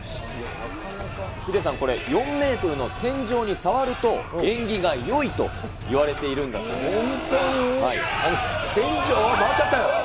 ヒデさん、これ４メートルの天井に触ると、縁起がよいといわれているんだそうです。